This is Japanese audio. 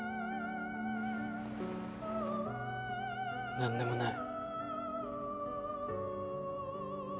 何でもない。